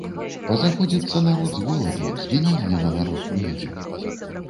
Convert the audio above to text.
Пазаходзіцца народ з голаду, згіненне на народ прыйдзе.